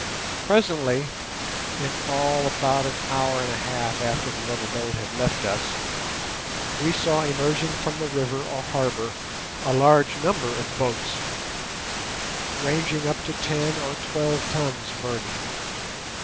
Presently—in all about an hour and a half after the little boat had left us—we saw emerging from the river or harbour a large number of boats, ranging up to ten or twelve tons burden.